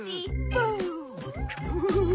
ウフフフ。